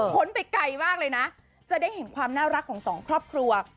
้นไปไกลมากเลยนะจะได้เห็นความน่ารักของสองครอบครัว